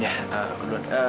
ya aku duluan